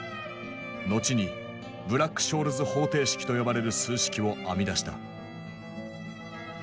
後に「ブラック・ショールズ方程式」と呼ばれる数式を編み出した。